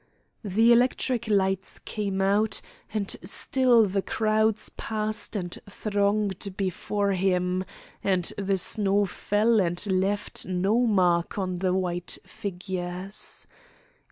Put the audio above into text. The electric lights came out, and still the crowd passed and thronged before him, and the snow fell and left no mark on the white figures.